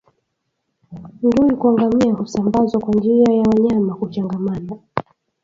Ndui kwa ngamia husambazwa kwa njia ya wanyama kuchangamana